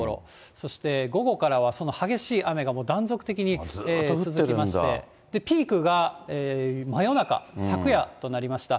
そして午後からはその激しい雨がもう断続的に続きまして、ピークが真夜中、昨夜となりました。